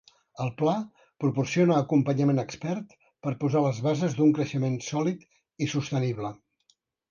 El Pla proporciona acompanyament expert per posar les bases d'un creixement sòlid i sostenible.